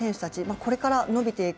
これから伸びていく